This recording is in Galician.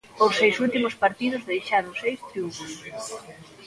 Os seis últimos partidos deixaron seis triunfos.